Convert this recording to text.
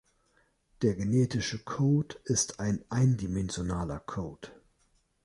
Der genetische Code ist ein eindimensionaler Code.